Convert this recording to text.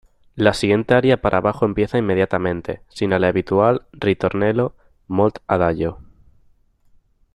La siguiente aria para bajo empieza inmediatamente, sin el habitual "ritornello", "molt adagio".